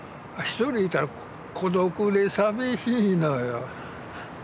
ひとりいうたら孤独で寂しいのよ